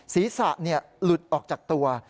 ศีรษะหลุดออกจากตัว